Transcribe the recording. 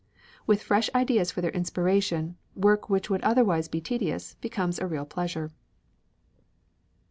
With fresh ideas for their inspiration, work which would otherwise be tedious becomes a real pleasure.